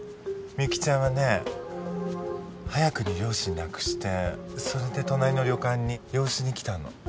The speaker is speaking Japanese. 美由紀ちゃんはね早くに両親亡くしてそれで隣の旅館に養子に来たの。